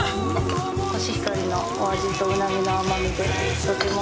コシヒカリのお味とうなぎの甘味でとても。